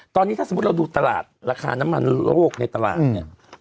ตอนนี้ถ้าสมมุติเราดูตลาดราคาน้ำมันโลกในตลาดเนี่ย